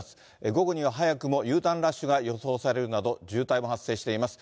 午後には早くもＵターンラッシュが予想されるなど、渋滞も発生しています。